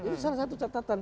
ini salah satu catatan